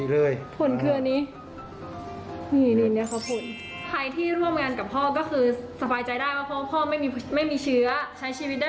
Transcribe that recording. พ่อก็ไม่ต้องกักตัวแล้วเพราะไม่มีเชื้อ๑๐๐